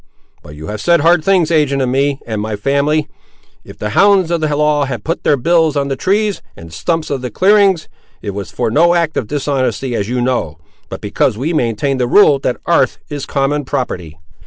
But you have said hard things ag'in me and my family. If the hounds of the law have put their bills on the trees and stumps of the clearings, it was for no act of dishonesty as you know, but because we maintain the rule that 'arth is common property.